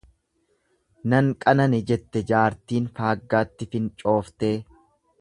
Nan qanane jette jaartiin faaggaatti fincooftee.